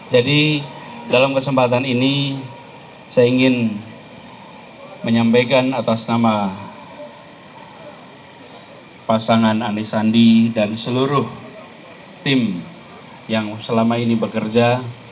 jadi dalam kesempatan ini saya ingin menyampaikan atas nama pasangan anisandi dan seluruh tim yang selama ini bekerja